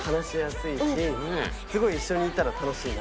すごい一緒にいたら楽しいなと。